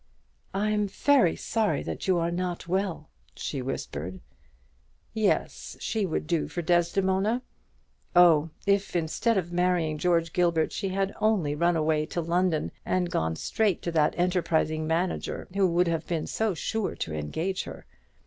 "I'm very sorry that you are not well!" she whispered. Yes, she would do for Desdemona. Oh, if instead of marrying George Gilbert, she had only run away to London, and gone straight to that enterprising manager, who would have been so sure to engage her!